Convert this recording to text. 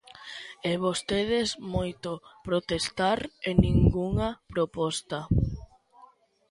E vostedes, moito protestar e ningunha proposta.